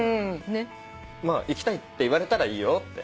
まあ行きたいって言われたらいいよって。